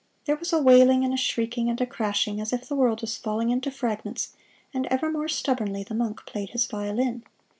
There was a wailing and a shrieking and a crashing, as if the world was falling into fragments, and ever more stubbornly the monk played his violin.